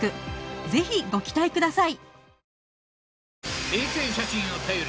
ぜひご期待ください